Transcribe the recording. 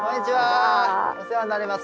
お世話になります